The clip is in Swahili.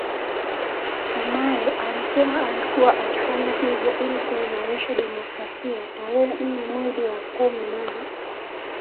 Sumaye alisema alikuwa akifanya hivyo ili kuimarisha demokrasiaTarehe nne mwezi wa kumi na